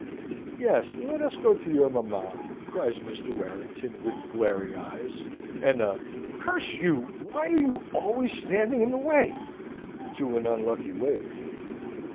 "Yes, let us go to your mamma," cries Mr. Warrington, with glaring eyes and a "Curse you, why are you always standing in the way?" to an unlucky waiter.